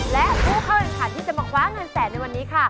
และผู้เข้าแข่งขันที่จะมาคว้าเงินแสนในวันนี้ค่ะ